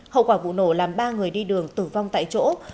hậu quả vụ nổ làm ba người đi đường tử vong tại chỗ